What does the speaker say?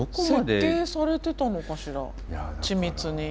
設計されてたのかしら緻密に。